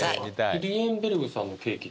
リリエンベルグさんのケーキ？